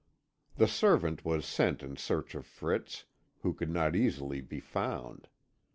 The servant was sent in search of Fritz, who could not easily be found.